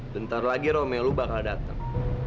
bentar lagi romeo lu bakal datang